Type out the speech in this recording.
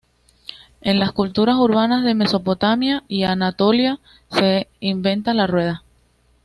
En las culturas urbanas de Mesopotamia y Anatolia, se inventa la rueda.